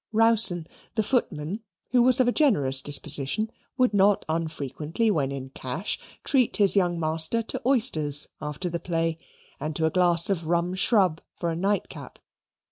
Rowson, the footman, who was of a generous disposition, would not unfrequently, when in cash, treat his young master to oysters after the play, and to a glass of rum shrub for a night cap.